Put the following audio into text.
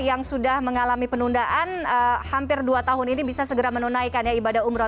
yang sudah mengalami penundaan hampir dua tahun ini bisa segera menunaikan ya ibadah umroh